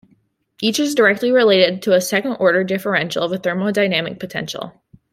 Each is directly related to a second order differential of a thermodynamic potential.